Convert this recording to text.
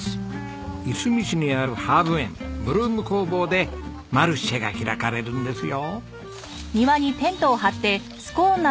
いすみ市にあるハーブ園Ｂｒｏｏｍ香房でマルシェが開かれるんですよ。